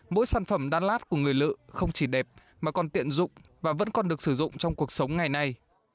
mỗi sản phẩm đan lát của người lự không chỉ đẹp mà còn tiện dụng và vẫn còn được sử dụng trong cuộc sống ngày nay